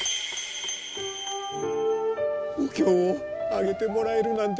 お経をあげてもらえるなんて。